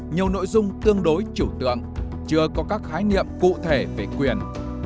nhiều nội dung tương đối chiều tượng chưa có các khái niệm cụ thể về quyền